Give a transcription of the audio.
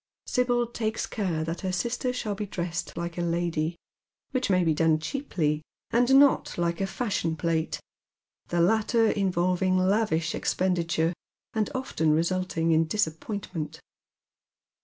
Sibyl takes care that her sister shall be dressed like a lady, which may be done cheaply, and not like a fasliion plate, the latter involving lavish expenditure, and often resulting in dis appointment.